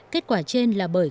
kết quả trên là bởi